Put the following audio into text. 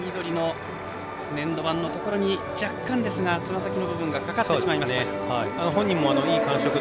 粘土板のところに若干ですがつま先のところがかかってしまいました。